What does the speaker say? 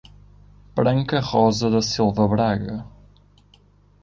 Branca Rosa da Silva Braga